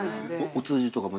お通じとかも。